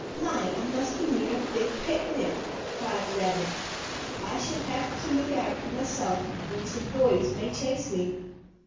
"My, I must be near a big picnic!" cried the rabbit. "I shall have to look out for myself, or some boys may chase me."